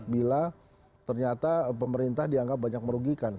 bila ternyata pemerintah dianggap banyak merugikan